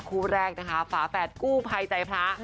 คู่แรกนะคะฝาแฝดกู้ภัยใจพระ